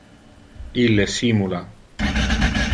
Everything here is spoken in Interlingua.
Ille simula.